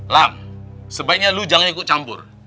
lam sebaiknya lu jangan ikut campur